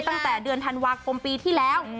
ตั้งแต่เดือนธันวาคมปีที่แล้ว